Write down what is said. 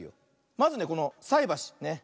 まずねこのさいばし。